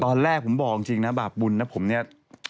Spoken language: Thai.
ตอนแรกผมบอกจริงนะบาปบุญนะผมเนี่ย